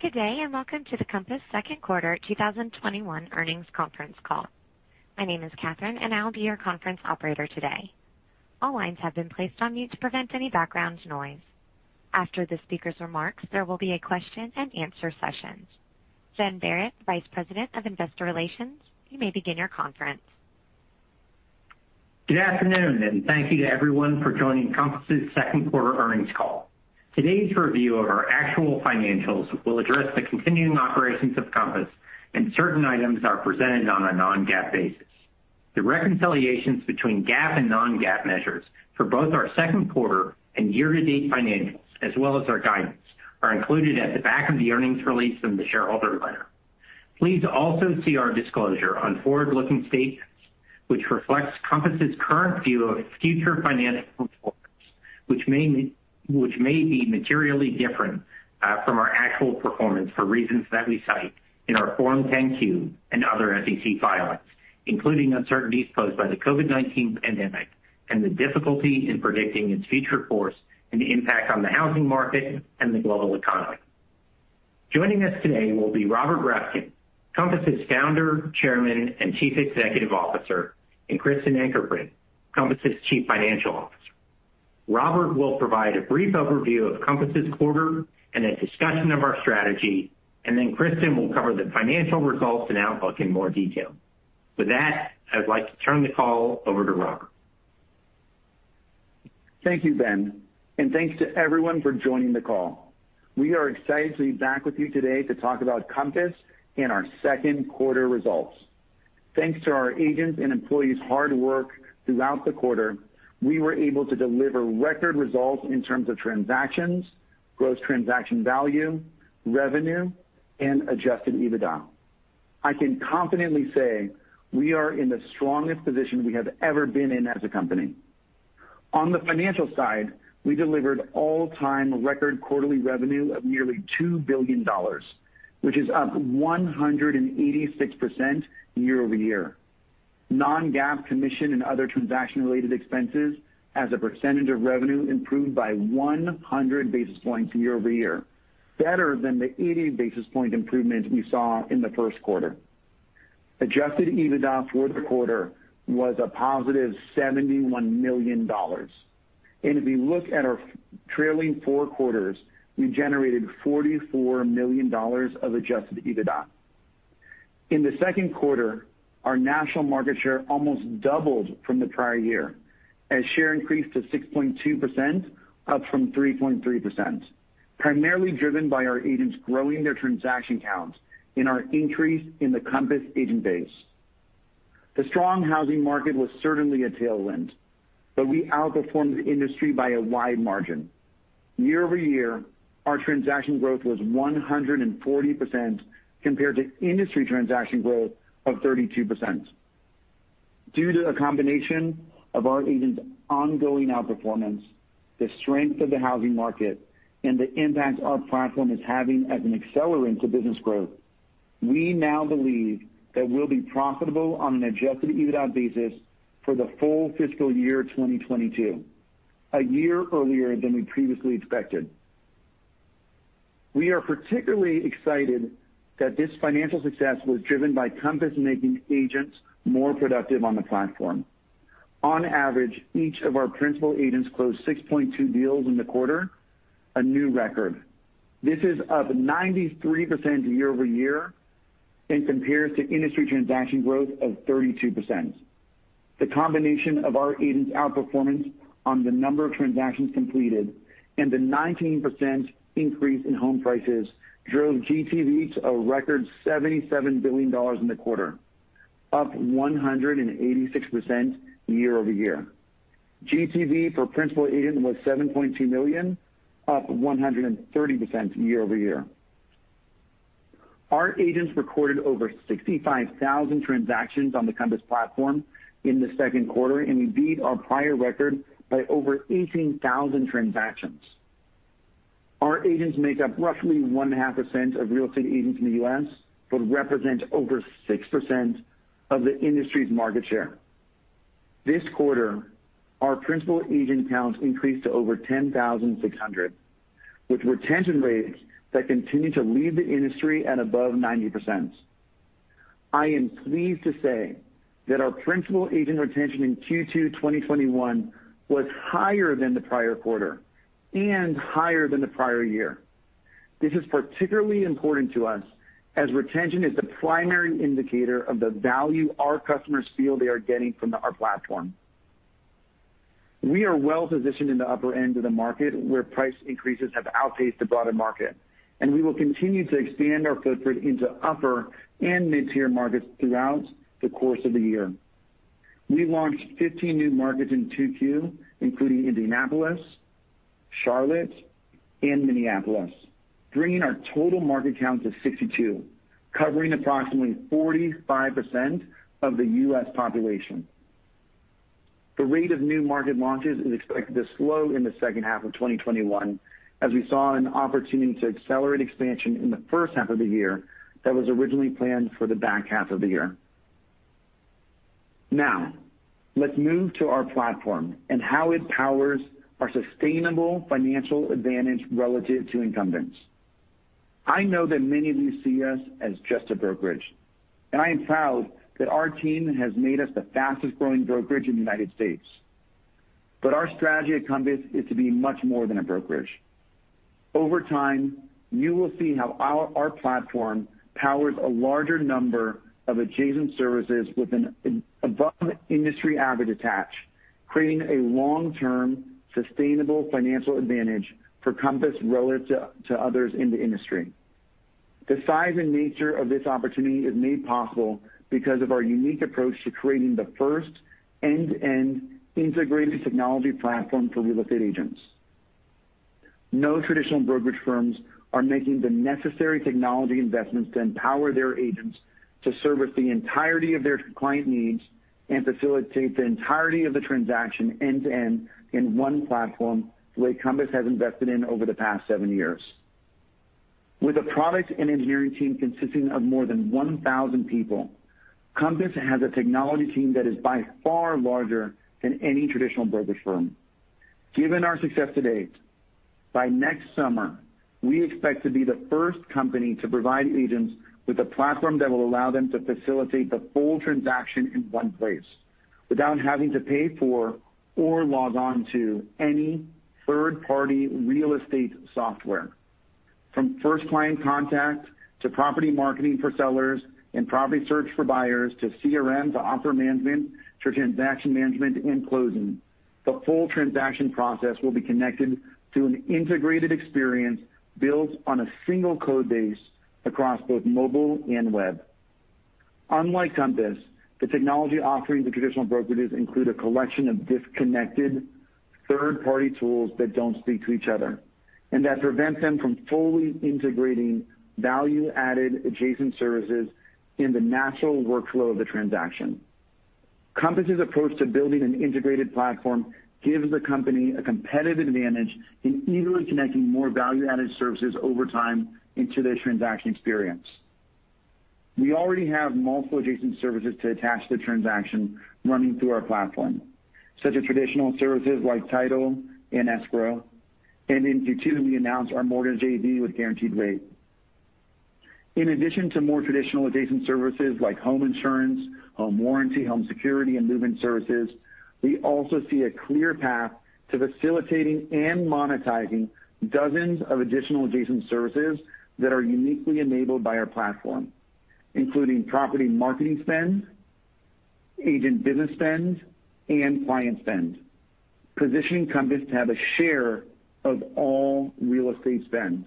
Good day, and welcome to the Compass second quarter 2021 earnings conference call. My name is Catherine, and I'll be your conference operator today. All lines have been placed on mute to prevent any background noise. After the speaker's remarks, there will be a question-and-answer session. Ben Barrett, Vice President of Investor Relations, you may begin your conference. Good afternoon, thank you to everyone for joining Compass' second quarter earnings call. Today's review of our actual financials will address the continuing operations of Compass, and certain items are presented on a non-GAAP basis. The reconciliations between GAAP and non-GAAP measures for both our second quarter and year-to-date financials, as well as our guidance, are included at the back of the earnings release from the shareholder letter. Please also see our disclosure on forward-looking statements, which reflects Compass's current view of its future financial performance, which may be materially different from our actual performance for reasons that we cite in our Form 10-Q and other SEC filings, including uncertainties posed by the COVID-19 pandemic and the difficulty in predicting its future course and the impact on the housing market and the global economy. Joining us today will be Robert Reffkin, Compass' Founder, Chairman, and Chief Executive Officer, and Kristen Ankerbrandt, Compass' Chief Financial Officer. Robert will provide a brief overview of Compass' quarter and a discussion of our strategy, and then Kristen will cover the financial results and outlook in more detail. With that, I'd like to turn the call over to Robert. Thank you, Ben, and thanks to everyone for joining the call. We are excited to be back with you today to talk about Compass and our second quarter results. Thanks to our agents' and employees' hard work throughout the quarter, we were able to deliver record results in terms of transactions, gross transaction value, revenue, and Adjusted EBITDA. I can confidently say we are in the strongest position we have ever been in as a company. On the financial side, we delivered an all-time record quarterly revenue of nearly $2 billion, which is up 186% year-over-year. Non-GAAP commission and other transaction-related expenses as a percentage of revenue improved by 100 basis points year-over-year, better than the 80 basis point improvement we saw in the first quarter. Adjusted EBITDA for the quarter was a +$71 million. If we look at our trailing four quarters, we generated $44 million of Adjusted EBITDA. In the second quarter, our national market share almost doubled from the prior year, as share increased to 6.2%, up from 3.3%, primarily driven by our agents growing their transaction counts and our increase in the Compass agent base. The strong housing market was certainly a tailwind, but we outperformed the industry by a wide margin. Year-over-year, our transaction growth was 140% compared to industry transaction growth of 32%. Due to a combination of our agents' ongoing outperformance, the strength of the housing market, and the impact our platform is having as an accelerant to business growth, we now believe that we'll be profitable on an Adjusted EBITDA basis for the full fiscal year 2022, a year earlier than we previously expected. We are particularly excited that this financial success was driven by Compass making agents more productive on the platform. On average, each of our principal agents closed 6.2 deals in the quarter, a new record. This is up 93% year-over-year and compares to industry transaction growth of 32%. The combination of our agents' outperformance on the number of transactions completed and the 19% increase in home prices drove GTV to a record $77 billion in the quarter, up 186% year-over-year. GTV for principal agents was $7.2 million, up 130% year-over-year. Our agents recorded over 65,000 transactions on the Compass platform in the second quarter, and we beat our prior record by over 18,000 transactions. Our agents make up roughly 1.5% of real estate agents in the U.S., but represent over 6% of the industry's market share. This quarter, our principal agent count increased to over 10,600, with retention rates that continue to lead the industry at above 90%. I am pleased to say that our principal agent retention in Q2 2021 was higher than in the prior quarter and higher than in the prior year. This is particularly important to us, as retention is the primary indicator of the value our customers feel they are getting from our platform. We are well-positioned in the upper end of the market, where price increases have outpaced the broader market, and we will continue to expand our footprint into upper and mid-tier markets throughout the course of the year. We launched 15 new markets in Q2, including Indianapolis, Charlotte, and Minneapolis, bringing our total market count to 62, covering approximately 45% of the U.S. population. The rate of new market launches is expected to slow in the second half of 2021, as we saw an opportunity to accelerate expansion in the first half of the year that was originally planned for the back half of the year. Now, let's move to our platform and how it powers our sustainable financial advantage relative to incumbents. I know that many of you see us as just a brokerage, and I am proud that our team has made us the fastest-growing brokerage in the U.S. Our strategy at Compass is to be much more than a brokerage. Over time, you will see how our platform powers a larger number of adjacent services with an above-industry-average attach, creating a long-term sustainable financial advantage for Compass relative to others in the industry. The size and nature of this opportunity is made possible because of our unique approach to creating the first end-to-end integrated technology platform for real estate agents. No traditional brokerage firms are making the necessary technology investments to empower their agents to service the entirety of their clients' needs and facilitate the entirety of the transaction end-to-end in one platform, the way Compass has invested in over the past seven years. With a product and engineering team consisting of more than 1,000 people, Compass has a technology team that is by far larger than any traditional brokerage firm. Given our success to date, by next summer, we expect to be the first company to provide agents with a platform that will allow them to facilitate the full transaction in one place without having to pay for or log on to any third-party real estate software. From first client contact, to property marketing for sellers, and property search for buyers, to CRM, to offer management, to transaction management and closing, the full transaction process will be connected to an integrated experience built on a single code base across both mobile and web. Unlike Compass, the technology offerings of traditional brokerages include a collection of disconnected third-party tools that don't speak to each other, and that prevent them from fully integrating value-added adjacent services in the natural workflow of the transaction. Compass' approach to building an integrated platform gives the company a competitive advantage in easily connecting more value-added services over time into the transaction experience. We already have multiple adjacent services to attach the transaction running through our platform, such as traditional services like title and escrow, and in Q2, we announced our mortgage JV with Guaranteed Rate. In addition to more traditional adjacent services like home insurance, home warranty, home security, and movement services, we also see a clear path to facilitating and monetizing dozens of additional adjacent services that are uniquely enabled by our platform, including property marketing spend, agent business spend, and client spend, positioning Compass to have a share of all real estate spend.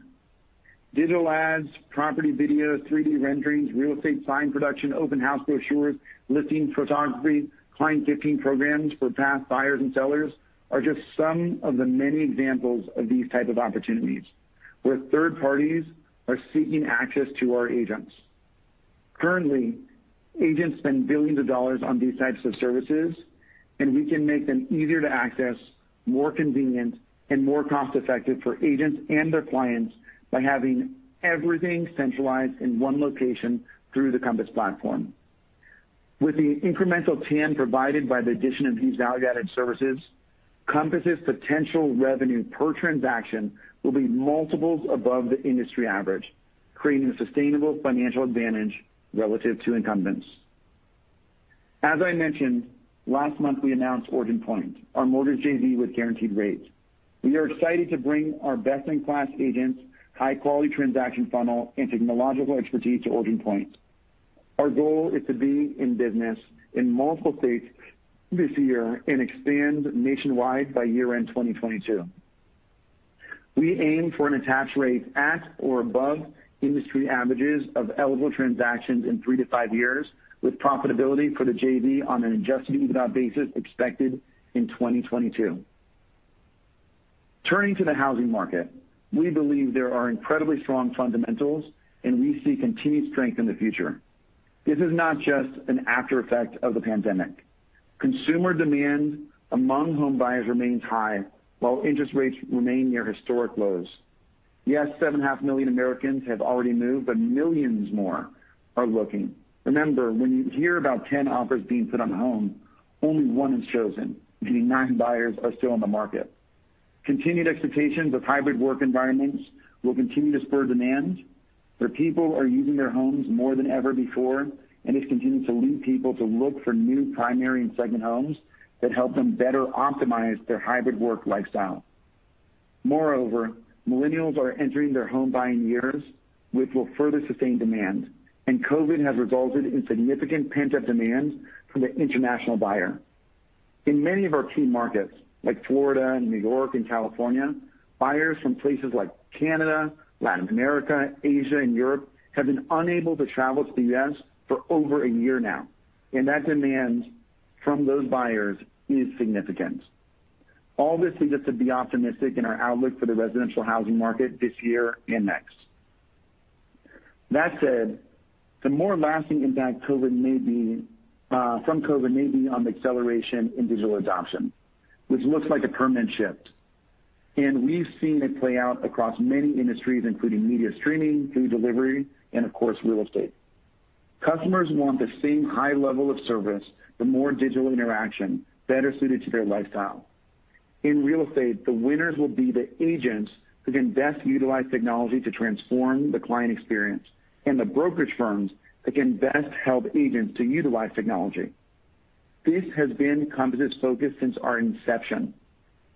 Digital ads, property videos, 3D renderings, real estate sign production, open house brochures, listing photography, client gifting programs for past buyers and sellers are just some of the many examples of these types of opportunities where third parties are seeking access to our agents. Currently, agents spend billions of dollars on these types of services, and we can make them easier to access, more convenient, and more cost-effective for agents and their clients by having everything centralized in one location through the Compass platform. With the incremental TAM provided by the addition of these value-added services, Compass' potential revenue per transaction will be multiples above the industry average, creating a sustainable financial advantage relative to incumbents. As I mentioned last month, we announced OriginPoint, our mortgage JV with Guaranteed Rate. We are excited to bring our best-in-class agents, high-quality transaction funnel, and technological expertise to OriginPoint. Our goal is to be in business in multiple states this year and expand nationwide by year-end 2022. We aim for an attach rate at or above industry averages of eligible transactions in three to five years, with profitability for the JV on an Adjusted EBITDA basis expected in 2022. Turning to the housing market, we believe there are incredibly strong fundamentals, and we see continued strength in the future. This is not just an aftereffect of the pandemic. Consumer demand among home buyers remains high while interest rates remain near historic lows. Yes, 7.5 million Americans have already moved, but millions more are looking. Remember, when you hear about 10 offers being put on a home, only one is chosen, meaning nine buyers are still on the market. Continued expectations of hybrid work environments will continue to spur demand, for people are using their homes more than ever before, and it's continuing to lead people to look for new primary and second homes that help them better optimize their hybrid work lifestyle. Moreover, millennials are entering their home-buying years, which will further sustain demand, and COVID-19 has resulted in significant pent-up demand from international buyers. In many of our key markets, like Florida, New York, and California, buyers from places like Canada, Latin America, Asia, and Europe have been unable to travel to the U.S. for over a year now, and that demand from those buyers is significant. All this leads us to be optimistic in our outlook for the residential housing market this year and next. That said, the more lasting impact from COVID-19 may be on the acceleration in digital adoption, which looks like a permanent shift. We've seen it play out across many industries, including media streaming, food delivery, and of course, real estate. Customers want the same high level of service, and the more digital interaction is better suited to their lifestyle. In real estate, the winners will be the agents who can best utilize technology to transform the client experience and the brokerage firms that can best help agents to utilize technology. This has been Compass' focus since our inception.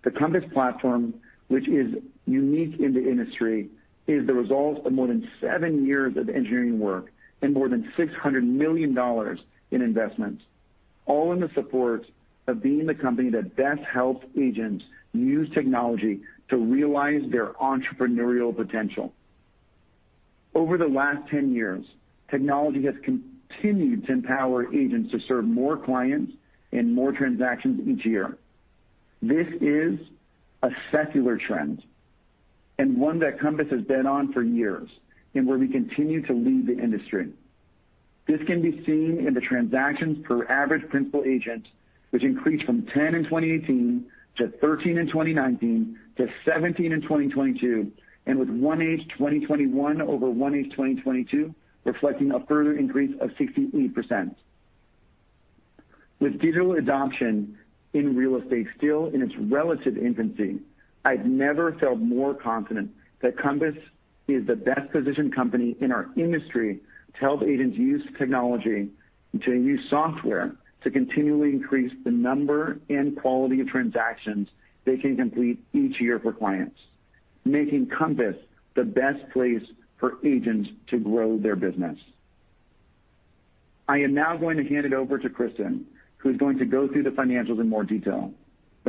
The Compass platform, which is unique in the industry, is the result of more than seven years of engineering work and more than $600 million in investments, all in the support of being the company that best helps agents use technology to realize their entrepreneurial potential. Over the last 10 years, technology has continued to empower agents to serve more clients and more transactions each year. This is a secular trend, and one that Compass has bet on for years, and where we continue to lead the industry. This can be seen in the transactions per average principal agent, which increased from 10 in 2018 to 13 in 2019 to 17 in 2022, and with 1H 2021 over 1H 2020 reflecting a further increase of 68%. With digital adoption in real estate still in its relative infancy, I've never felt more confident that Compass is the best-positioned company in our industry to help agents use technology, to use software to continually increase the number and quality of transactions they can complete each year for clients, making Compass the best place for agents to grow their business. I am now going to hand it over to Kristen, who's going to go through the financials in more detail.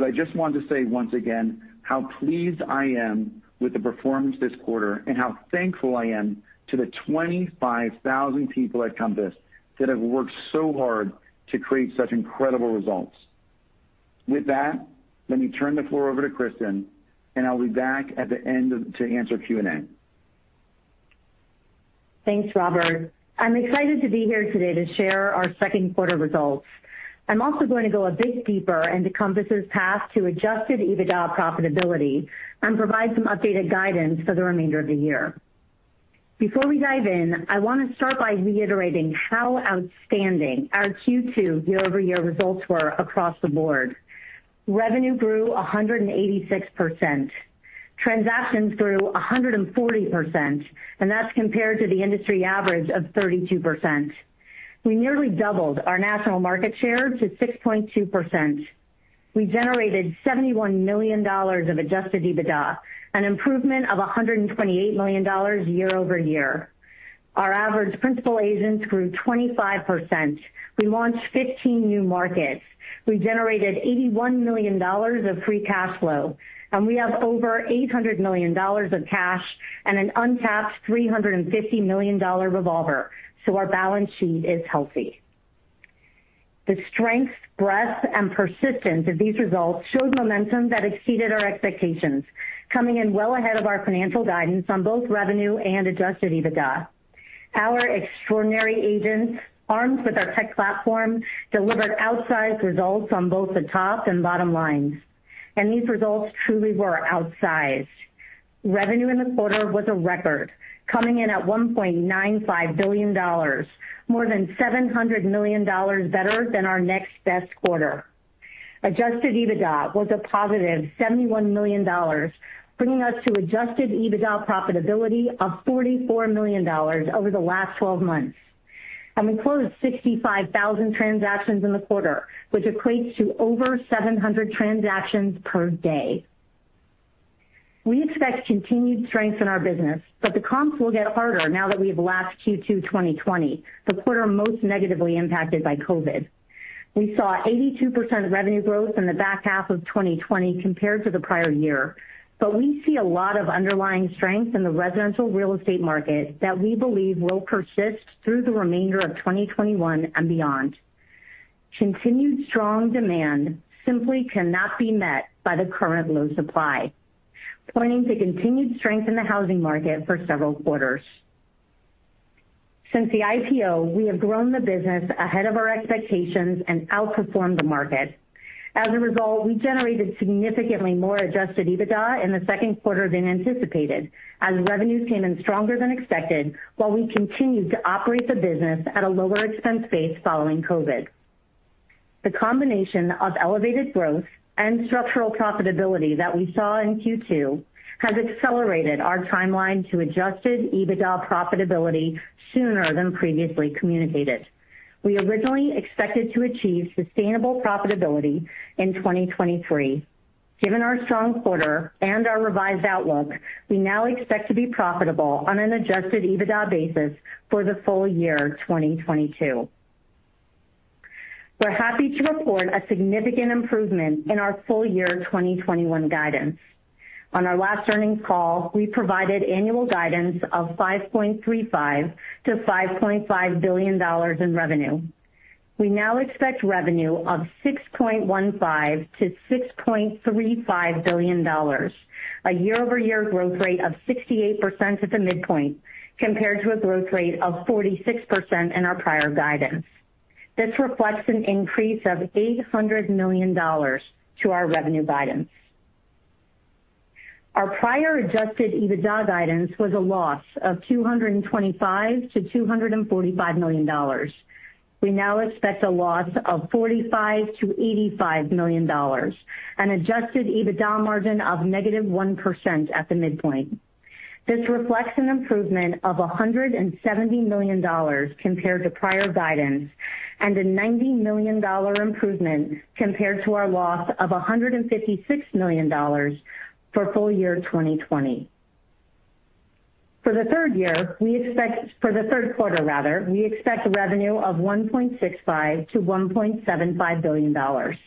I just wanted to say once again how pleased I am with the performance this quarter and how thankful I am to the 25,000 people at Compass who have worked so hard to create such incredible results. With that, let me turn the floor over to Kristen, and I'll be back at the end to answer Q&A. Thanks, Robert. I'm excited to be here today to share our second quarter results. I'm also going to go a bit deeper into Compass' path to Adjusted EBITDA profitability and provide some updated guidance for the remainder of the year. Before we dive in, I want to start by reiterating how outstanding our Q2 year-over-year results were across the board. Revenue grew 186%. Transactions grew 140%, and that's compared to the industry average of 32%. We nearly doubled our national market share to 6.2%. We generated $71 million of Adjusted EBITDA, an improvement of $128 million year-over-year. Our average principal agents grew 25%. We launched 15 new markets. We generated $81 million of free cash flow. We have over $800 million of cash and an untapped $350 million revolver. Our balance sheet is healthy. The strength, breadth, and persistence of these results showed momentum that exceeded our expectations, coming in well ahead of our financial guidance on both revenue and Adjusted EBITDA. Our extraordinary agents, armed with our tech platform, delivered outsized results on both the top and bottom lines, and these results truly were outsized. Revenue in the quarter was a record, coming in at $1.95 billion, more than $700 million better than our next best quarter. Adjusted EBITDA was a positive $71 million, bringing us to Adjusted EBITDA profitability of $44 million over the last 12 months. We closed 65,000 transactions in the quarter, which equates to over 700 transactions per day. We expect continued strength in our business, but the comps will get harder now that we have lapped Q2 2020, the quarter most negatively impacted by COVID. We saw 82% revenue growth in the back half of 2020 compared to the prior year. We see a lot of underlying strength in the residential real estate market that we believe will persist through the remainder of 2021 and beyond. Continued strong demand simply cannot be met by the current low supply, pointing to continued strength in the housing market for several quarters. Since the IPO, we have grown the business ahead of our expectations and outperformed the market. As a result, we generated significantly more Adjusted EBITDA in the second quarter than anticipated, as revenues came in stronger than expected while we continued to operate the business at a lower expense base following COVID. The combination of elevated growth and structural profitability that we saw in Q2 has accelerated our timeline to Adjusted EBITDA profitability sooner than previously communicated. We originally expected to achieve sustainable profitability in 2023. Given our strong quarter and our revised outlook, we now expect to be profitable on an Adjusted EBITDA basis for the full year 2022. We're happy to report a significant improvement in our full-year 2021 guidance. On our last earnings call, we provided annual guidance of $5.35 billion-$5.5 billion in revenue. We now expect revenue of $6.15 billion-$6.35 billion, a year-over-year growth rate of 68% at the midpoint compared to a growth rate of 46% in our prior guidance. This reflects an increase of $800 million to our revenue guidance. Our prior Adjusted EBITDA guidance was a loss of $225 million-$245 million. We now expect a loss of $45 million-$85 million, an Adjusted EBITDA margin of -1% at the midpoint. This reflects an improvement of $170 million compared to prior guidance, and a $90 million improvement compared to our loss of $156 million for full year 2020. For the third quarter, we expect revenue of $1.65 billion-$1.75 billion.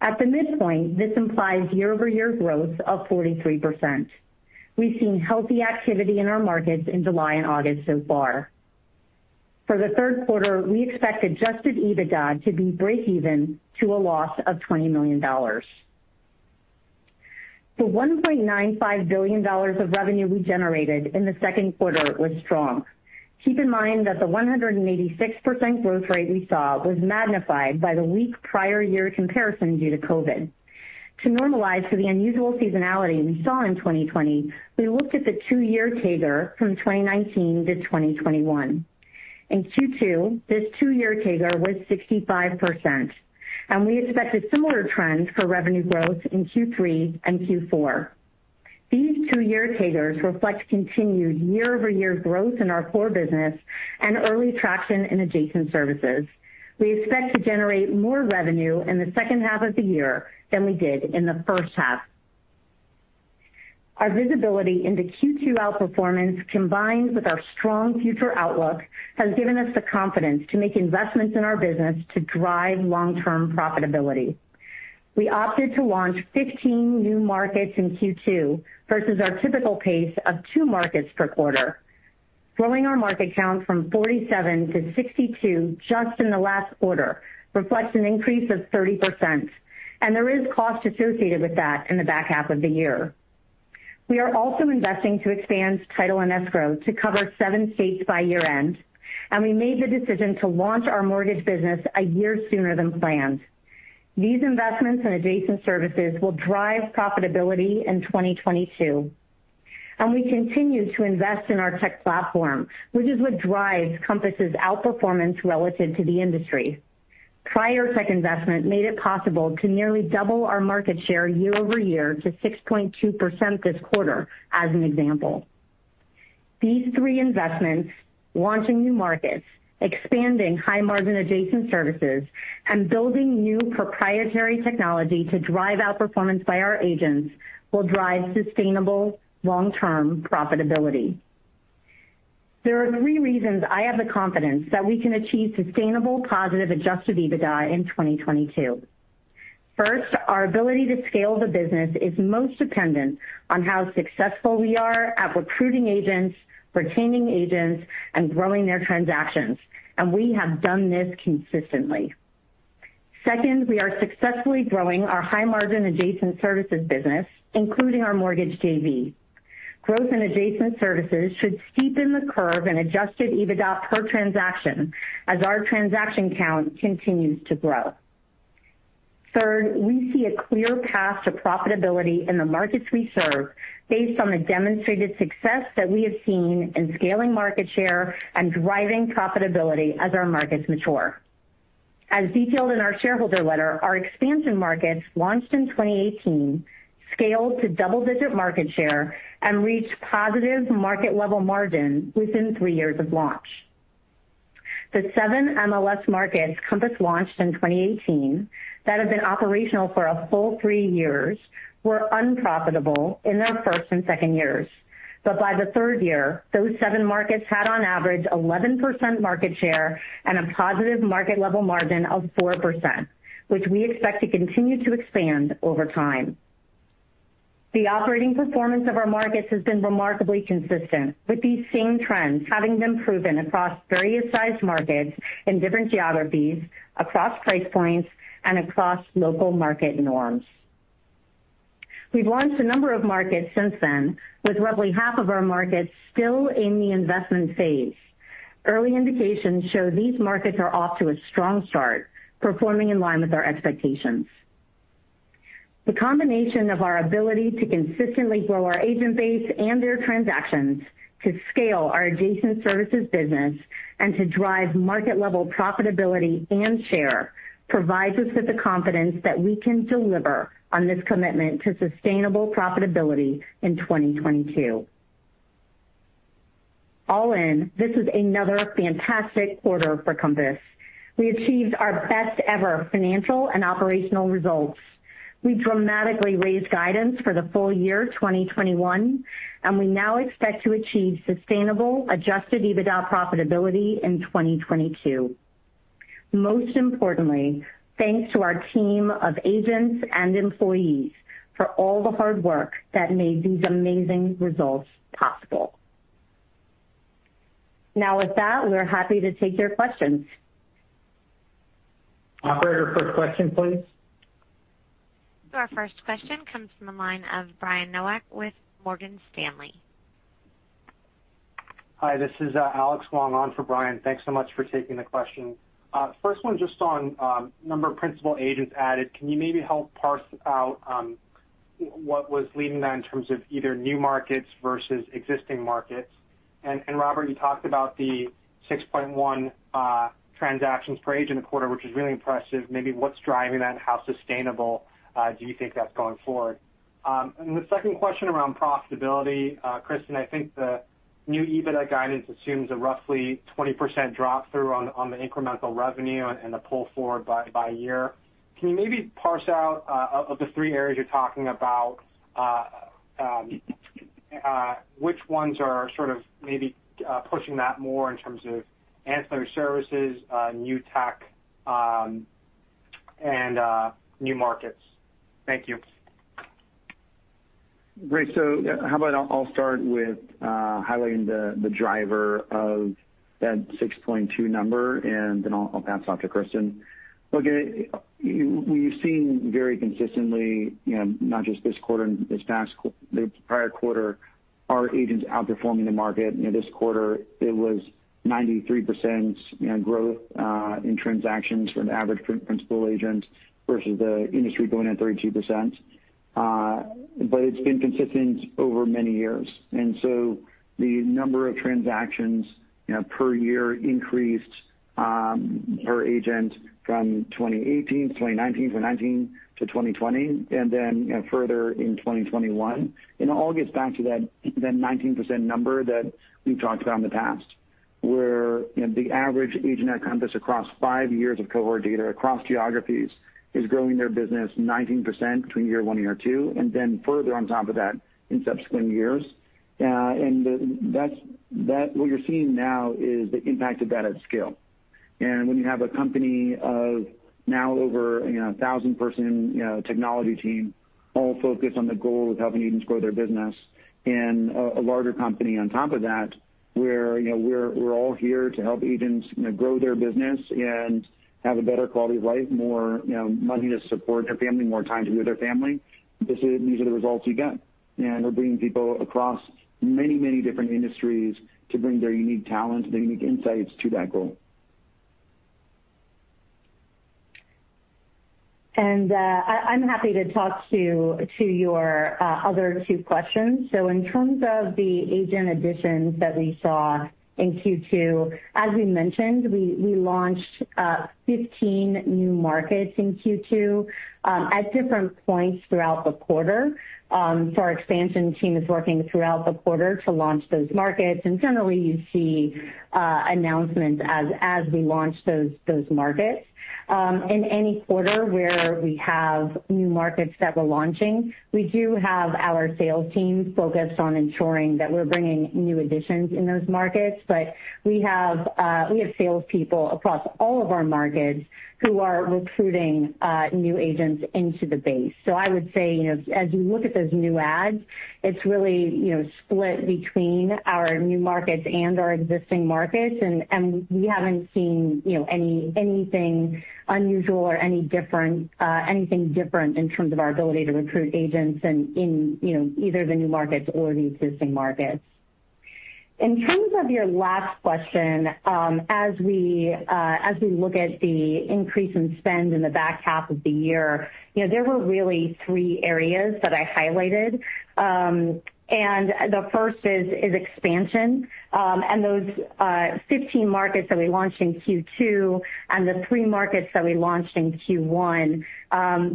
At the midpoint, this implies year-over-year growth of 43%. We've seen healthy activity in our markets in July and August so far. For the third quarter, we expect Adjusted EBITDA to be breakeven to a loss of $20 million. The $1.95 billion of revenue we generated in the second quarter was strong. Keep in mind that the 186% growth rate we saw was magnified by the weak prior year comparison due to COVID-19. To normalize for the unusual seasonality we saw in 2020, we looked at the two-year CAGR from 2019 to 2021. In Q2, this two-year CAGR was 65%, and we expected similar trends for revenue growth in Q3 and Q4. These two-year CAGRs reflect continued year-over-year growth in our core business and early traction in adjacent services. We expect to generate more revenue in the second half of the year than we did in the first half. Our visibility into Q2 outperformance, combined with our strong future outlook, has given us the confidence to make investments in our business to drive long-term profitability. We opted to launch 15 new markets in Q2 versus our typical pace of two markets per quarter. Growing our market count from 47 to 62 just in the last quarter reflects an increase of 30%, and there is a cost associated with that in the back half of the year. We are also investing to expand title and escrow to cover seven states by year-end, and we made the decision to launch our mortgage business one year sooner than planned. These investments in adjacent services will drive profitability in 2022. We continue to invest in our tech platform, which is what drives Compass' outperformance relative to the industry. Prior tech investment made it possible to nearly double our market share year-over-year to 6.2% this quarter, as an example. These three investments, launching new markets, expanding high-margin adjacent services, and building new proprietary technology to drive outperformance by our agents, will drive sustainable long-term profitability. There are three reasons I have the confidence that we can achieve sustainable positive Adjusted EBITDA in 2022. First, our ability to scale the business is most dependent on how successful we are at recruiting agents, retaining agents, and growing their transactions, and we have done this consistently. Second, we are successfully growing our high-margin adjacent services business, including our mortgage JV. Growth in adjacent services should steepen the curve in Adjusted EBITDA per transaction as our transaction count continues to grow. Third, we see a clear path to profitability in the markets we serve based on the demonstrated success that we have seen in scaling market share and driving profitability as our markets mature. As detailed in our shareholder letter, our expansion markets, launched in 2018, scaled to double-digit market share and reached positive market-level margin within three years of launch. The seven MLS markets Compass launched in 2018 that have been operational for a full three years were unprofitable in their first and second years. By the third year, those seven markets had on average 11% market share and a positive market-level margin of 4%, which we expect to continue to expand over time. The operating performance of our markets has been remarkably consistent, with these same trends having been proven across various-sized markets in different geographies, across price points, and across local market norms. We've launched a number of markets since then, with roughly half of our markets still in the investment phase. Early indications show these markets are off to a strong start, performing in line with our expectations. The combination of our ability to consistently grow our agent base and their transactions, to scale our adjacent services business, and to drive market-level profitability and share, provides us with the confidence that we can deliver on this commitment to sustainable profitability in 2022. All in, this is another fantastic quarter for Compass. We achieved our best-ever financial and operational results. We dramatically raised guidance for the full year 2021, and we now expect to achieve sustainable Adjusted EBITDA profitability in 2022. Most importantly, thanks to our team of agents and employees for all the hard work that made these amazing results possible. Now with that, we are happy to take your questions. Operator, first question, please. Our first question comes from the line of Brian Nowak with Morgan Stanley. Hi, this is Alex Wong on for Brian. Thanks so much for taking the question. First one just on number of principal agents added. Can you maybe help parse out what was leading that in terms of either new markets versus existing markets? Robert, you talked about the 6.1 transactions per agent a quarter, which is really impressive. Maybe what's driving that? How sustainable do you think that's going forward? The second question is around profitability. Kristen, I think the new EBITDA guidance assumes a roughly 20% drop through on the incremental revenue and the pull forward by year. Can you maybe parse out, of the three areas you're talking about, which ones are maybe pushing that more in terms of ancillary services, new tech, and new markets? Thank you. Great. How about I'll start with highlighting the driver of that 6.2 number, and then I'll pass it off to Kristen. Look, we've seen very consistently, not just this quarter and the prior quarter, our agents outperforming the market. This quarter it was 93% growth in transactions for an average principal agent versus the industry growing at 32%. It's been consistent over many years. The number of transactions per year increased per agent from 2018 to 2019, from 2019 to 2020, and then further in 2021. It all gets back to that 19% number that we've talked about in the past, where the average agent at Compass across five years of cohort data, across geographies, is growing their business 19% between year one and year two, and then further on top of that in subsequent years. What you're seeing now is the impact of that at scale. When you have a company of now over 1,000-person technology team all focused on the goal of helping agents grow their business, and a larger company on top of that, where we're all here to help agents grow their business and have a better quality of life, more money to support their family, more time to be with their family. These are the results you get. We're bringing people across many different industries to bring their unique talents, their unique insights to that goal. I'm happy to talk to your other two questions. In terms of the agent additions that we saw in Q2, as we mentioned, we launched 15 new markets in Q2 at different points throughout the quarter. Our expansion team is working throughout the quarter to launch those markets, and generally, you see announcements as we launch those markets. In any quarter where we have new markets that we're launching, we do have our sales teams focused on ensuring that we're bringing new additions in those markets. We have salespeople across all of our markets who are recruiting new agents into the base. I would say, as you look at those new adds, it's really split between our new markets and our existing markets, and we haven't seen anything unusual or anything different in terms of our ability to recruit agents in either the new markets or the existing markets. In terms of your last question, as we look at the increase in spend in the back half of the year, there were really three areas that I highlighted. The first is expansion. Those 15 markets that we launched in Q2 and the three markets that we launched in Q1,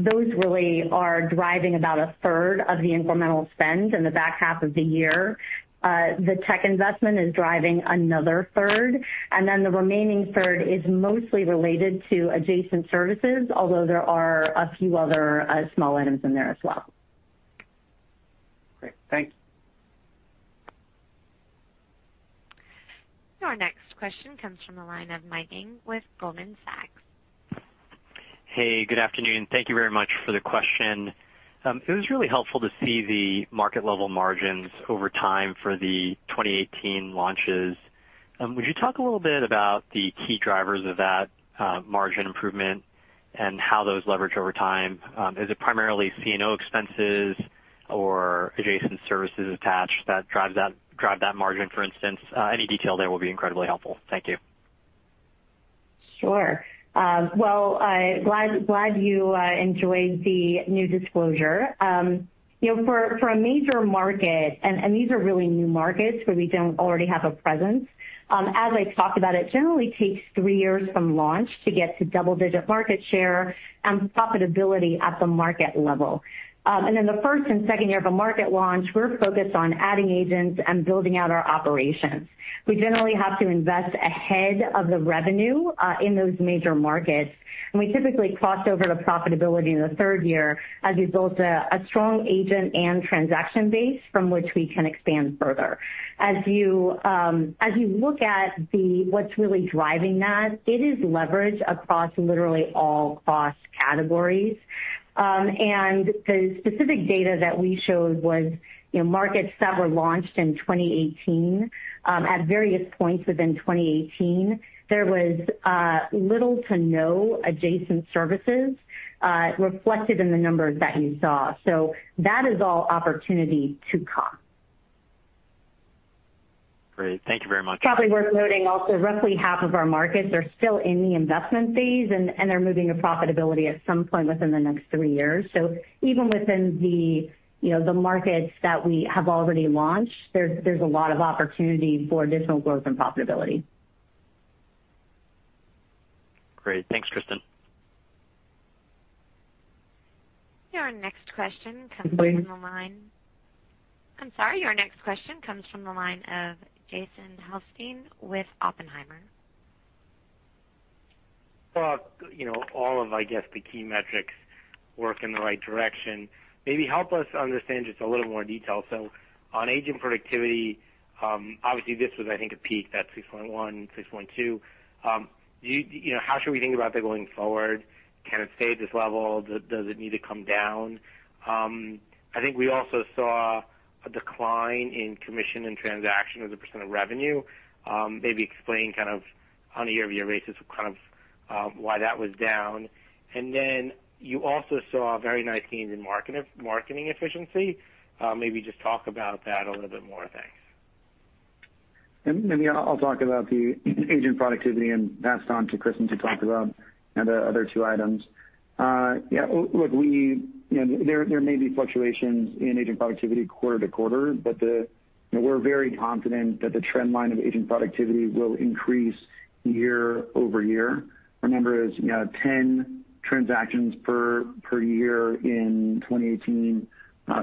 those really are driving about 1/3 of the incremental spend in the back half of the year. The tech investment is driving another 1/3, and then the remaining 1/3 is mostly related to adjacent services, although there are a few other small items in there as well. Great. Thank you. Our next question comes from the line of Mike Ng with Goldman Sachs. Hey, good afternoon. Thank you very much for the question. It was really helpful to see the market-level margins over time for the 2018 launches. Would you talk a little bit about the key drivers of that margin improvement and how those leverage over time? Is it primarily C&O expenses or adjacent services attached that drive that margin, for instance? Any detail there will be incredibly helpful. Thank you. Sure. Well, glad you enjoyed the new disclosure. For a major market, and these are really new markets where we don't already have a presence. As I talked about, it generally takes three years from launch to get to double-digit market share and profitability at the market level. In the first and second year of a market launch, we're focused on adding agents and building out our operations. We generally have to invest ahead of the revenue in those major markets, and we typically cross over to profitability in the third year as we build a strong agent and transaction base from which we can expand further. As you look at what's really driving that, it is leverage across literally all cost categories. The specific data that we showed was the markets that were launched in 2018. At various points within 2018, there were little to no adjacent services reflected in the numbers that you saw. That is all opportunity to come. Great. Thank you very much. Probably worth noting also, roughly half of our markets are still in the investment phase, and they're moving to profitability at some point within the next three years. Even within the markets that we have already launched, there's a lot of opportunity for additional growth and profitability. Great. Thanks, Kristen. Your next question comes from the line- I'm sorry. Your next question comes from the line of Jason Helfstein with Oppenheimer. Well, all of, I guess, the key metrics work in the right direction. Maybe help us understand just a little more detail. On agent productivity, obviously, this was, I think, a peak that 6.1, 6.2. How should we think about that going forward? Can it stay at this level? Does it need to come down? I think we also saw a decline in commissions and other transactions as a percentage of revenue. Maybe explain on a year-over-year basis why that was down. You also saw very nice gains in marketing efficiency. Maybe just talk about that a little bit more. Thanks. I'll talk about the agent productivity and pass it on to Kristen to talk about the other two items. Yeah. There may be fluctuations in agent productivity quarter to quarter, but we're very confident that the trend line of agent productivity will increase year-over-year. It was 10 transactions per year in 2018,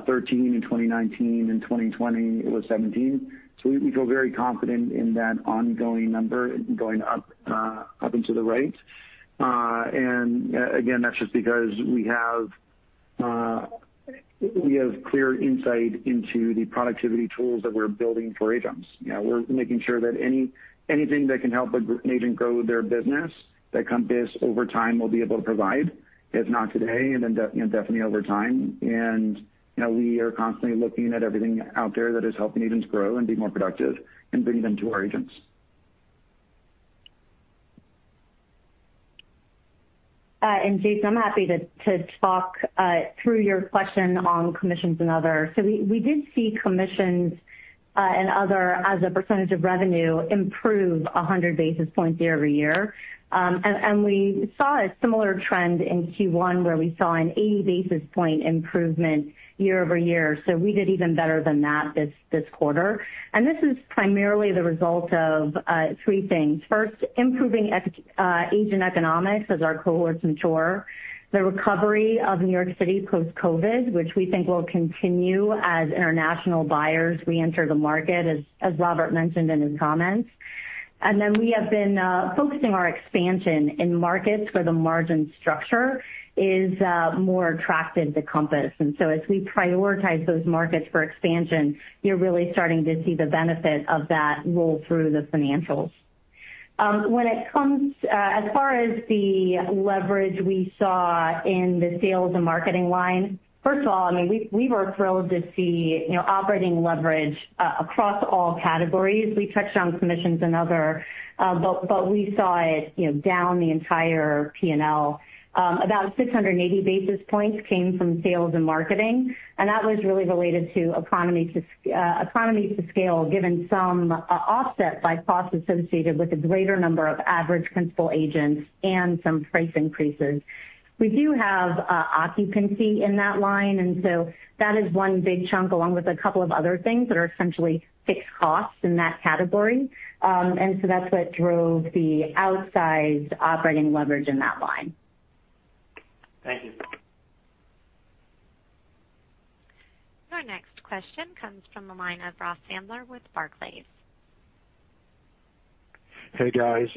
13 in 2019, and in 2020, it was 17. We feel very confident that the ongoing number is going up in the right. Again, that's just because we have clear insight into the productivity tools that we're building for agents. We're making sure that anything that can help an agent grow their business, that Compass over time will be able to provide, if not today, then definitely over time. We are constantly looking at everything out there that is helping agents grow and be more productive, and bringing them to our agents. Jason, I'm happy to talk through your question on commissions and others. We did see commissions and others as a percentage of revenue improve 100 basis points year-over-year. We saw a similar trend in Q1 where we saw an 80-basis point improvement year-over-year. We did even better than that this quarter. This is primarily the result of three things. First, improving agent economics as our cohorts mature, the recovery of New York City post-COVID-19, which we think will continue as international buyers re-enter the market, as Robert mentioned in his comments. We have been focusing our expansion in markets where the margin structure is more attractive to Compass. As we prioritize those markets for expansion, you're really starting to see the benefit of that roll through the financials. As far as the leverage we saw in the sales and marketing line, first of all, we were thrilled to see operating leverage across all categories. We touched on commissions and others, but we saw it down the entire P&L. About 680 basis points came from sales and marketing, and that was really related to economies of scale, given some offset by costs associated with a greater number of average principal agents and some price increases. We do have occupancy in that line, and so that is one big chunk, along with a couple of other things that are essentially fixed costs in that category. That's what drove the outsized operating leverage in that line. Thank you. Our next question comes from the line of Ross Sandler with Barclays. Hey, guys.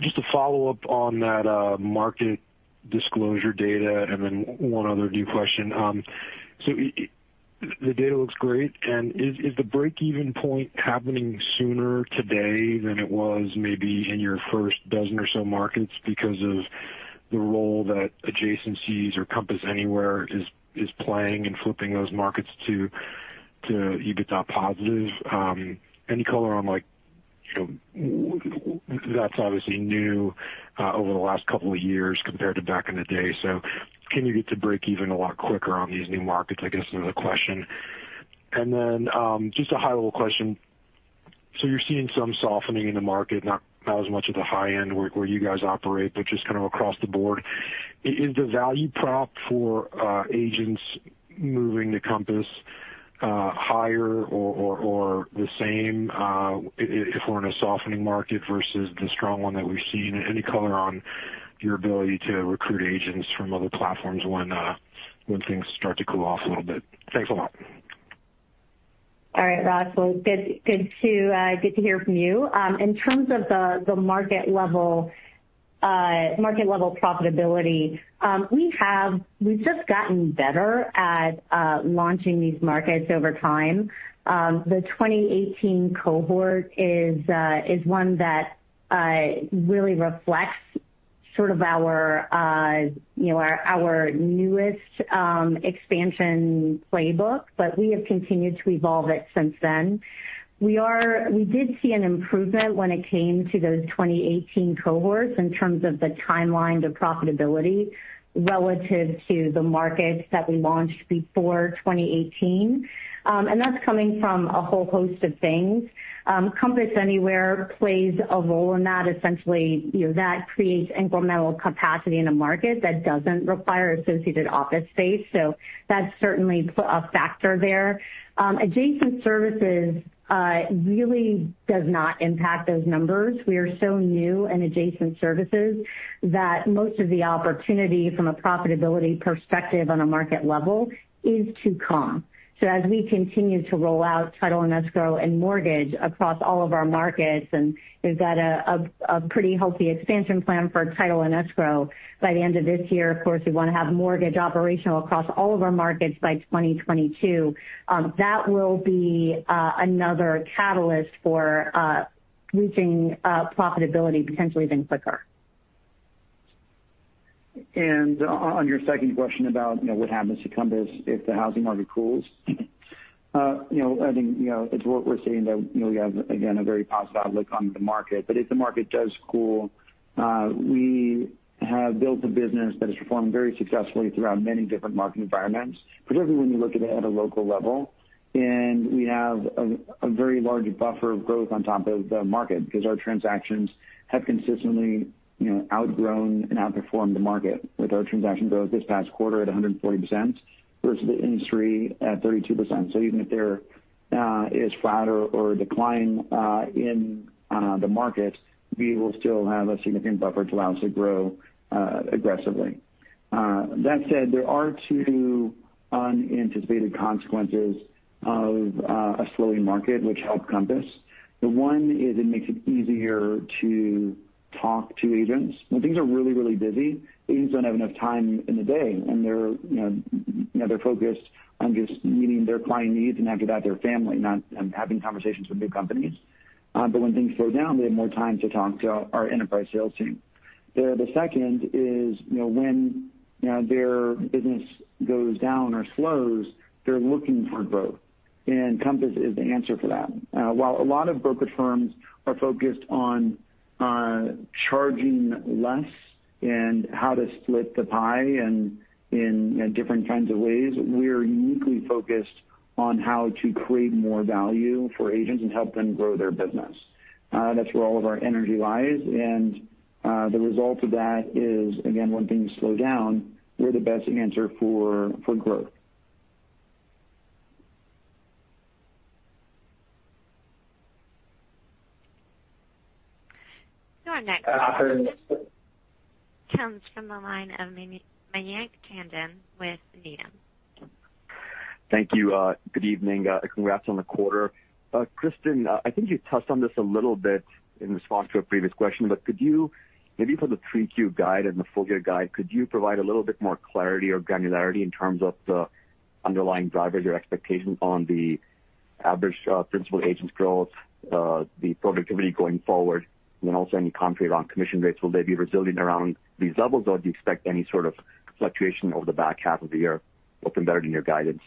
Just a follow-up on that market disclosure data and then one other new question. The data looks great, and is the break-even point happening sooner today than it was maybe in your first dozen or so markets because of the role that adjacencies or Compass Anywhere is playing in flipping those markets to EBITDA positive? Any color on it? That's obviously new over the last couple of years compared to back in the day. Can you get to break even a lot quicker on these new markets, I guess, is the question. Just a high-level question. You're seeing some softening in the market, not as much at the high end where you guys operate, but just kind of across the board. Is the value prop for agents moving to Compass higher or the same if we're in a softening market versus the strong one that we've seen? Any color on your ability to recruit agents from other platforms when things start to cool off a little bit? Thanks a lot. All right, Ross. Well, good to hear from you. In terms of the market-level profitability, we've just gotten better at launching these markets over time. The 2018 cohort is one that really reflects sort of our newest expansion playbook, but we have continued to evolve it since then. We did see an improvement when it came to those 2018 cohorts in terms of the timeline to profitability relative to the markets that we launched before 2018. That's coming from a whole host of things. Compass Anywhere plays a role in that. Essentially, that creates incremental capacity in a market that doesn't require associated office space. That's certainly a factor there. Adjacent services really do not impact those numbers. We are so new in adjacent services that most of the opportunities from a profitability perspective on a market level are to come. As we continue to roll out title and escrow and mortgage across all of our markets, and we've got a pretty healthy expansion plan for title and escrow by the end of this year. Of course, we want to have mortgage operational across all of our markets by 2022. That will be another catalyst for reaching profitability potentially even quicker. On your second question about what happens to Compass if the housing market cools. I think, as what we're seeing, that we have, again, a very positive outlook on the market. If the market does cool, we have built a business that has performed very successfully throughout many different market environments, particularly when you look at it at a local level. We have a very large buffer of growth on top of the market because our transactions have consistently outgrown and outperformed the market, with our transaction growth this past quarter at 140% versus the industry at 32%. Even if there is a flat or a decline in the market, we will still have a significant buffer to allow us to grow aggressively. That said, there are two unanticipated consequences of a slowing market that help Compass. One is that it makes it easier to talk to agents. When things are really busy, agents don't have enough time in the day, and they're focused on just meeting their client needs and after that, their family, not on having conversations with new companies. When things slow down, they have more time to talk to our enterprise sales team. The second is when their business goes down or slows; they're looking for growth, and Compass is the answer for that. While a lot of brokerage firms are focused on charging less and how to split the pie in different kinds of ways, we're uniquely focused on how to create more value for agents and help them grow their business. That's where all of our energy lies, and the result of that is, again, when things slow down, we're the best answer for growth. Your next question comes from the line of Mayank Tandon with Needham. Thank you. Good evening. Congrats on the quarter. Kristen, I think you touched on this a little bit in response to a previous question, but could you maybe put the 3Q guide and the full year guide? COuld you provide a little bit more clarity or granularity in terms of the underlying drivers or expectations on the average principal agents' growth, the productivity going forward, and then also any commentary around commission rates? Will they be resilient around these levels, or do you expect any sort of fluctuation over the back half of the year, or embedded in your guidance?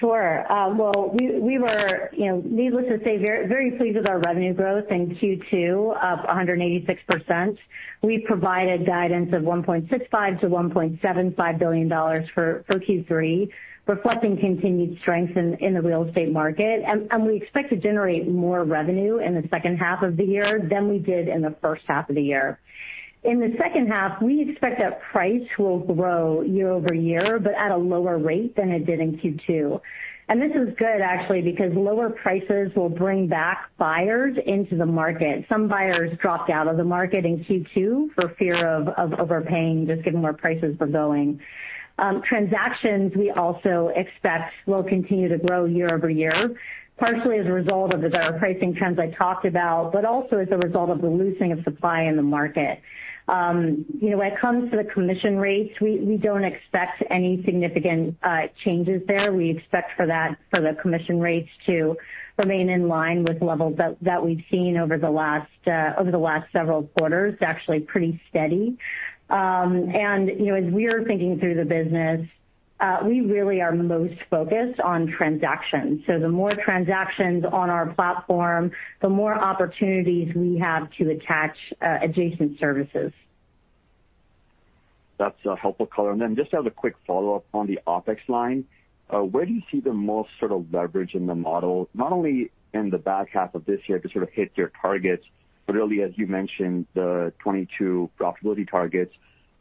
Sure. Well, we were, needless to say, very pleased with our revenue growth in Q2 of 186%. We provided guidance of $1.65 billion-$1.75 billion for Q3, reflecting continued strength in the real estate market. We expect to generate more revenue in the second half of the year than we did in the first half of the year. In the second half, we expect that price will grow year-over-year, but at a lower rate than it did in Q2. This is good, actually, because lower prices will bring back buyers into the market. Some buyers dropped out of the market in Q2 for fear of overpaying, just given where prices were going. Transactions we also expect will continue to grow year-over-year, partially as a result of the better pricing trends I talked about, but also as a result of the loosening of supply in the market. When it comes to the commission rates, we don't expect any significant changes there. We expect for the commission rates to remain in line with levels that we've seen over the last several quarters, actually pretty steady. As we are thinking through the business, we really are most focused on transactions. The more transactions on our platform, the more opportunities we have to attach adjacent services. That's a helpful color. Just as a quick follow-up on the OpEx line, where do you see the most sort of leverage in the model? Not only in the back half of this year to sort of hit your targets, but really as you mentioned, the 2022 profitability targets.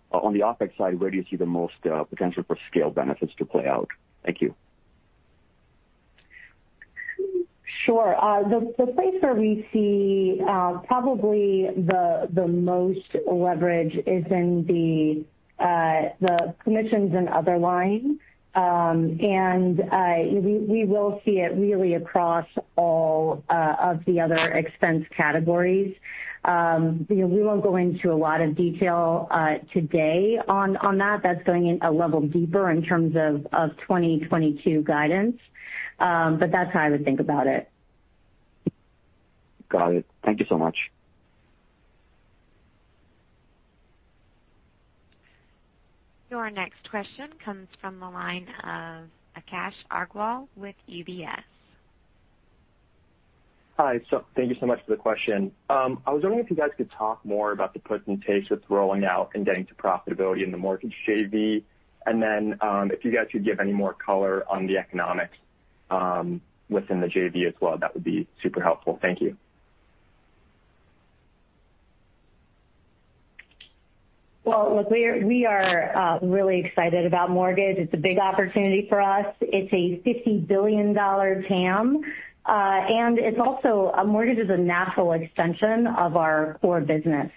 On the OpEx side, where do you see the most potential for scale benefits to play out? Thank you. Sure. The place where we see probably the most leverage is in the commissions and other lines. We will see it really across all of the other expense categories. We won't go into a lot of detail today on that. That's going a level deeper in terms of 2022 guidance, but that's how I would think about it. Got it. Thank you so much. Your next question comes from the line of Akash Aggarwal with UBS. Hi. Thank you so much for the question. I was wondering if you guys could talk more about the path and pace that's rolling out and getting to profitability in the mortgage JV. If you guys could give any more color on the economics within the JV as well, that would be super helpful. Thank you. Look, we are really excited about mortgage. It's a big opportunity for us. It's a $50 billion TAM, mortgage is a natural extension of our core business.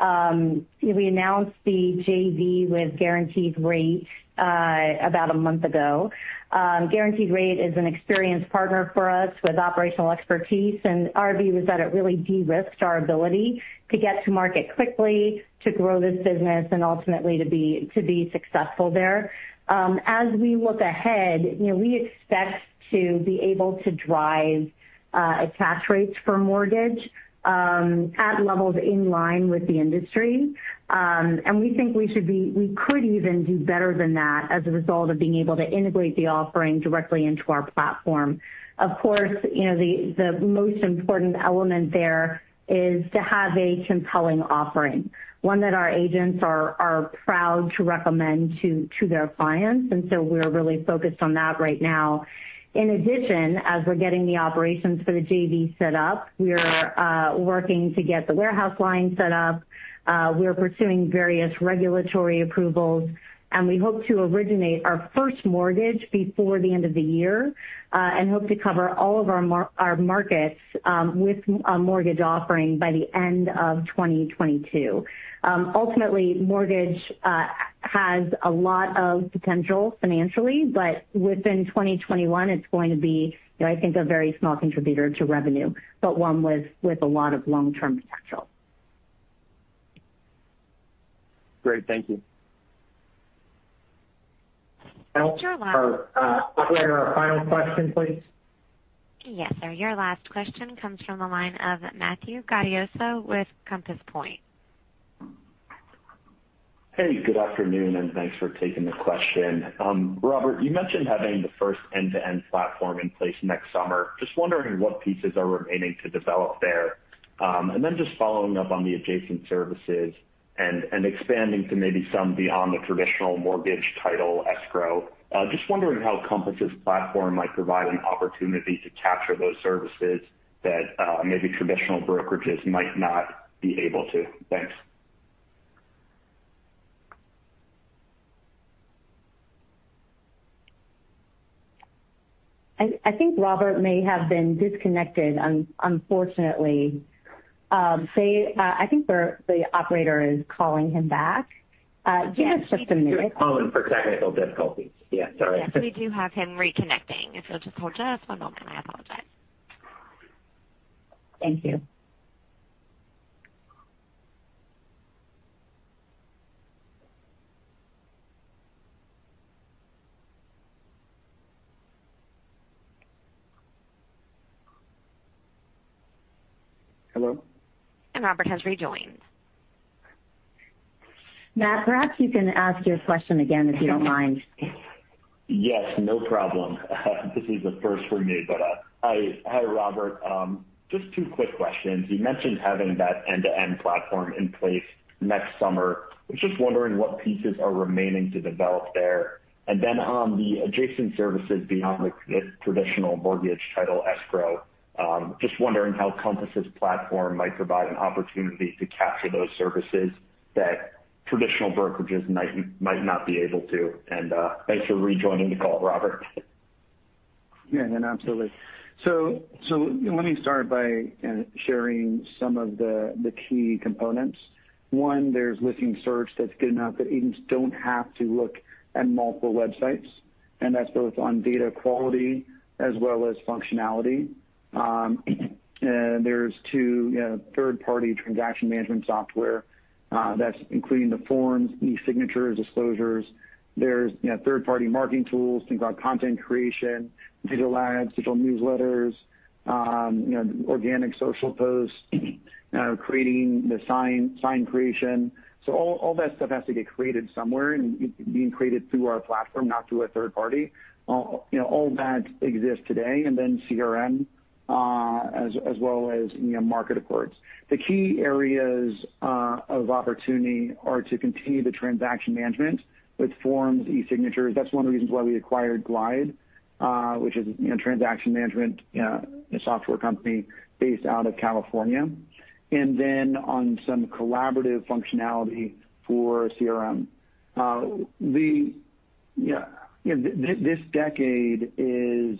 We announced the JV with Guaranteed Rate about a month ago. Guaranteed Rate is an experienced partner for us with operational expertise, our view is that it really de-risked our ability to get to market quickly, to grow this business, and ultimately to be successful there. As we look ahead, we expect to be able to drive attach rates for mortgage at levels in line with the industry. We think we could even do better than that as a result of being able to integrate the offering directly into our platform. Of course, the most important element there is to have a compelling offering, one that our agents are proud to recommend to their clients. We're really focused on that right now. In addition, as we're getting the operations for the JV set up, we're working to get the warehouse line set up. We're pursuing various regulatory approvals, and we hope to originate our first mortgage before the end of the year. We hope to cover all of our markets with a mortgage offering by the end of 2022. Ultimately, mortgage has a lot of potential financially, but within 2021, it's going to be, I think, a very small contributor to revenue, but one with a lot of long-term potential. Great. Thank you. Operator, final question, please. Yes, sir. Your last question comes from the line of Matthew Gaudioso with Compass Point. Hey, good afternoon, and thanks for taking the question. Robert, you mentioned having the first end-to-end platform in place next summer. Just wondering what pieces are remaining to develop there. Then just following up on the adjacent services and expanding to maybe some beyond the traditional mortgage title escrow. Just wondering how Compass's platform might provide an opportunity to capture those services that maybe traditional brokerages might not be able to. Thanks. I think Robert may have been disconnected, unfortunately. I think the operator is calling him back. Give us just a minute. He was muted for technical difficulties. Yeah, sorry. Yes, we do have him reconnecting. If you'll just hold just one moment, I apologize. Thank you. Hello. Robert has rejoined. Matt, perhaps you can ask your question again, if you don't mind. Yes, no problem. This is a first for me, but hi, Robert. Just two quick questions. You mentioned having that end-to-end platform in place next summer. Was just wondering what pieces are remaining to develop there. Then on the adjacent services beyond the traditional mortgage title escrow, just wondering how Compass's platform might provide an opportunity to capture those services that traditional brokerages might not be able to. Thanks for rejoining the call, Robert. Yeah, absolutely. Let me start by sharing some of the key components. One, there's a listing search that's good enough that agents don't have to look at multiple websites, and that's both on data quality as well as functionality. There's two third-party transaction management software. That's including the forms, e-signatures, and disclosures. There are third-party marketing tools, things like content creation, digital ads, digital newsletters, organic social posts, and sign creation. All that stuff has to get created somewhere, and it's being created through our platform, not through a third party. All that exists today. Then CRM, as well as Marketing Center. The key areas of opportunity are to continue the transaction management with forms and e-signatures. That's one of the reasons why we acquired Glide, which is a transaction management software company based out of California. Then on some collaborative functionality for CRM. This decade is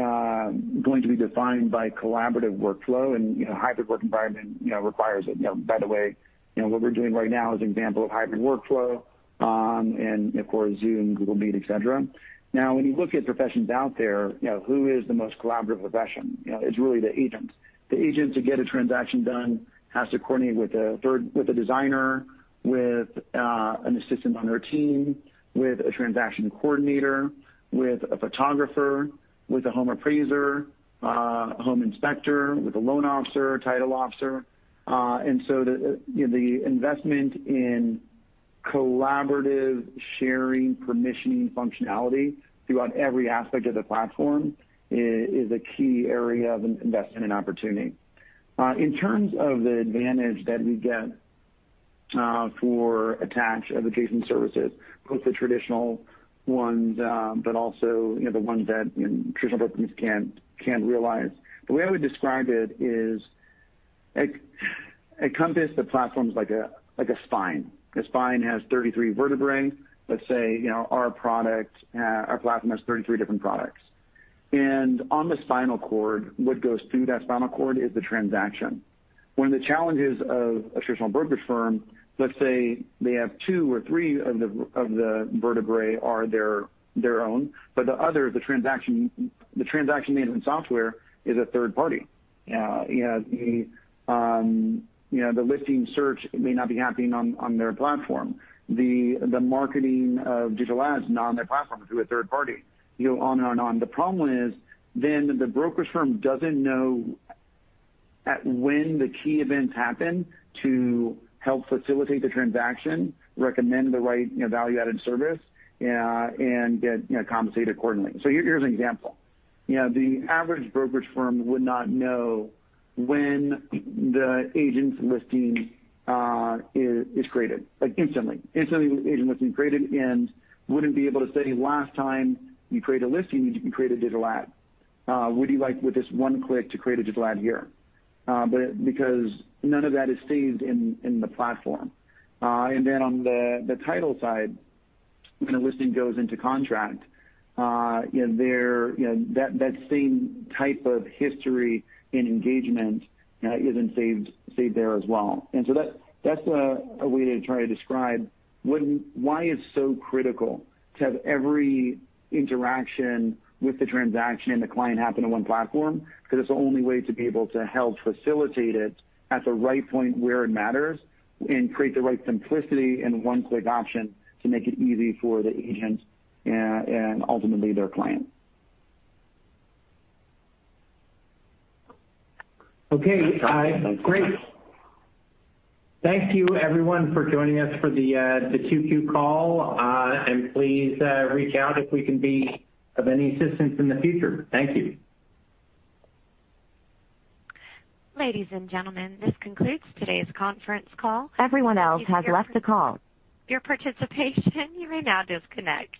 going to be defined by collaborative workflow, and hybrid work environment requires it. By the way, what we're doing right now is an example of hybrid workflow, and of course, Zoom, Google Meet, et cetera. Now, when you look at professions out there, who is the most collaborative profession? It's really the agent. The agent, to get a transaction done, has to coordinate with a designer, with an assistant on their team. With a transaction coordinator, with a photographer, with a home appraiser, a home inspector, with a loan officer, a title officer. The investment in collaborative sharing, permissioning functionality throughout every aspect of the platform is a key area of investment and opportunity. In terms of the advantage that we get for attached adjacent services, both the traditional ones, but also the ones that traditional brokers can't realize. The way I would describe it is, Compass, the platform is like a spine. A spine has 33 vertebrae. Let's say our platform has 33 different products. On the spinal cord, what goes through that spinal cord is the transaction. One of the challenges of a traditional brokerage firm, let's say they have two or three of the vertebrae that are their own, but the other, the transaction management software, is a third party. The listing search may not be happening on their platform. The marketing of digital ads is not on their platform. It's with a third party, on and on. The problem is then the brokerage firm doesn't know when the key events happen to help facilitate the transaction, recommend the right value-added service, and get compensated accordingly. Here's an example. The average brokerage firm would not know when the agent's listing is created, like instantly. Instantly, the agent listing is created and wouldn't be able to say, "Last time you created a listing, you created a digital ad. Would you like with this one click to create a digital ad here?" Because none of that is saved in the platform. Then on the title side, when a listing goes into contract, that same type of history and engagement isn't saved there as well. That's a way to try to describe why it's so critical to have every interaction with the transaction and the client happen on one platform, because it's the only way to be able to help facilitate it at the right point where it matters and create the right simplicity and one-click option to make it easy for the agent, and ultimately their client. Okay, guys. Great. Thank you everyone for joining us for the Q2 call. Please reach out if we can be of any assistance in the future. Thank you. Ladies and gentlemen, this concludes today's conference call. Thank you for your participation. You may now disconnect.